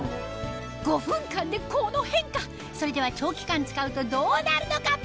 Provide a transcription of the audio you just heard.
５分間でこの変化それでは長期間使うとどうなるのか？